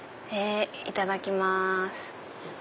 いただきます。